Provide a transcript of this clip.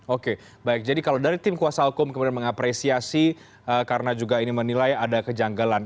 oke baik jadi kalau dari tim kuasa hukum kemudian mengapresiasi karena juga ini menilai ada kejanggalan